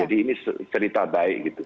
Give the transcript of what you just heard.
jadi ini cerita baik gitu